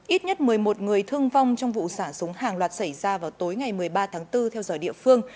ít nhất một mươi một người thương vong trong vụ xả súng hàng loạt xảy ra vào tối ngày một mươi ba tháng bốn theo giờ địa phương